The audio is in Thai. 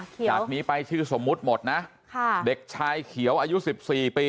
จากนี้ไปชื่อสมมุติหมดนะค่ะเด็กชายเขียวอายุ๑๔ปี